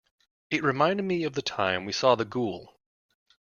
It reminded me of the time we saw the ghoul.